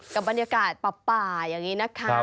กับบรรยากาศป่าอย่างนี้นะคะ